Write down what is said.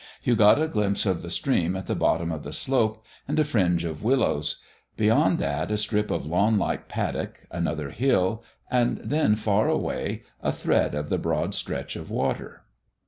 You got a glimpse of the stream at the bottom of the slope and a fringe of willows; beyond that a strip of lawnlike paddock, another hill, and then, far away, a thread of the broad stretch of water.